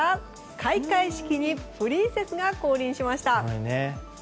開会式にプリンセスが降臨しました。